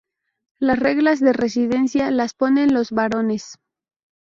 Las reglas de residencia las ponen los varones.